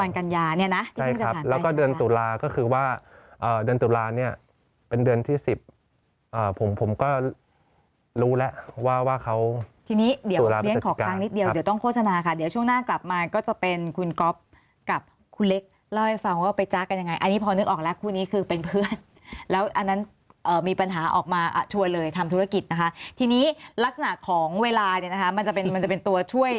มาเนี่ยนะใช่ครับแล้วก็เดือนตุลาก็คือว่าเดือนตุลาเนี่ยเป็นเดือนที่สิบผมผมก็รู้แหละว่าว่าเขาที่นี้เดี๋ยวเรียนขอครั้งนิดเดียวเดี๋ยวต้องโฆษณาค่ะเดี๋ยวช่วงหน้ากลับมาก็จะเป็นคุณก๊อบกับคุณเล็กเล่าให้ฟังว่าไปจากกันยังไงอันนี้พอนึกออกแล้วคู่นี้คือเป็นเพื่อนแล้วอันนั้นมีปัญหาออกมา